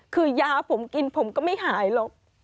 คือยาผมกินผมก็ไม่หายหรอก